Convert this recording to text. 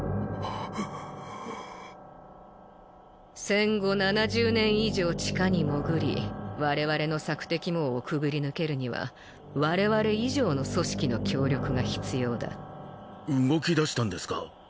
戦後７０年以上地下に潜り我々の索敵網をくぐり抜けるには我々以上の組織の協力が必要だ動きだしたんですか？